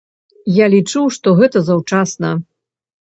Я лічу, што гэта заўчасна.